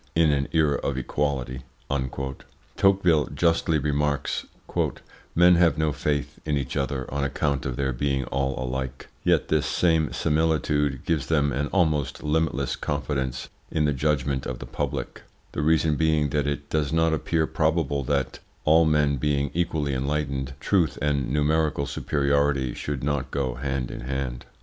"In an era of equality," Tocqueville justly remarks, "men have no faith in each other on account of their being all alike; yet this same similitude gives them an almost limitless confidence in the judgment of the public, the reason being that it does not appear probable that, all men being equally enlightened, truth and numerical superiority should not go hand in hand."